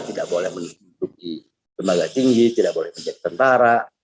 tidak boleh menjadi tenaga tinggi tidak boleh menjadi tentara